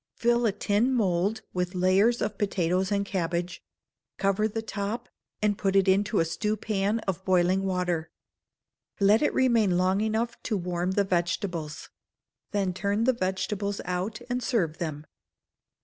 Fill a tin mould with layers of potatoes and cabbage; cover the top, and put it into a stewpan of boiling water. Let it remain long enough to warm the vegetables; then turn the vegetables out and serve them.